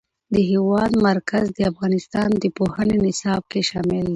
د هېواد مرکز د افغانستان د پوهنې نصاب کې شامل دی.